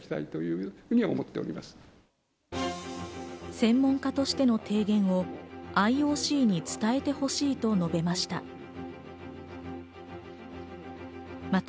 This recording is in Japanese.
専門家としての提言をＩＯＣに伝えてほしいと述べました。